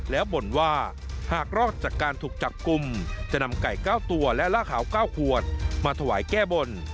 แล้วบ่นว่าหากรอดจากการถูกจับกลุ่มจะนำไก่๙ตัวและล่าขาว๙ขวดมาถวายแก้บน